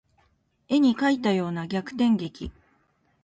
絵に描いたような逆転劇